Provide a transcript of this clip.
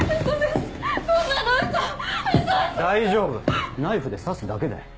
大丈夫ナイフで刺すだけだよ。